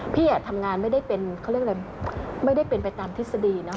พี่ทำงานไม่ได้เป็นไปตามทฤษฎี